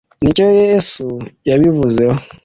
n'icyo yesu yabivuzeho